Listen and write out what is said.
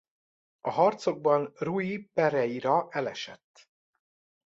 A harcokban Rui Pereira elesett.